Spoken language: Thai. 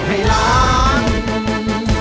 คุณวิม